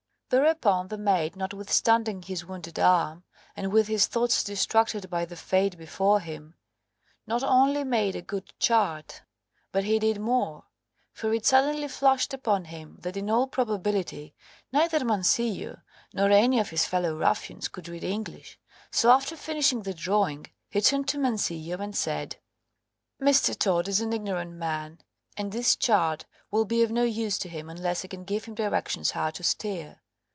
Thereupon the mate, notwithstanding his wounded arm, and with his thoughts distracted by the fate before him, not only made a good chart, but he did more; for it suddenly flashed upon him that in all probability neither Mancillo nor any of his fellow ruffians could read English, so after finishing the drawing he turned to Mancillo and said "Mr. Todd is an ignorant man, and this chart will be of no use to him unless I can give him directions how to steer.